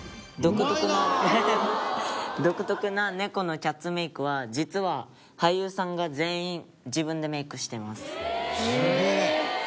独特な猫のキャッツメイクは実は俳優さんが全員自分でメイクしてます。